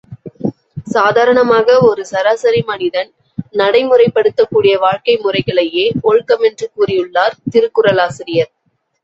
சாதாரணமாக ஒரு சராசரி மனிதன் நடைமுறைப்படுத்தக் கூடிய வாழ்க்கை முறைகளையே ஒழுக்கமென்று கூறியுள்ளார் திருக்குறளாசிரியர்.